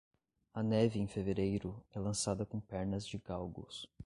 A neve em fevereiro é lançada com pernas de galgos.